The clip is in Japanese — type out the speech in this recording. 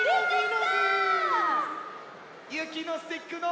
ゆきのスティックの。